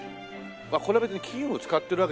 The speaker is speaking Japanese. あっこれは別に金を使ってるわけじゃない。